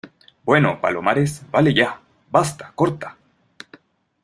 bueno, Palomares , vale ya. basta , corta .